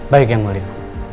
baik yang boleh